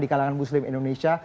di kalangan muslim indonesia